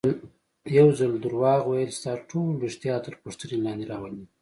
یو ځل دروغ ویل ستا ټول ریښتیا تر پوښتنې لاندې راولي.